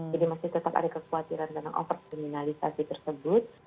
jadi masih tetap ada kekhawatiran tentang overkriminalisasi tersebut